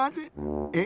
え？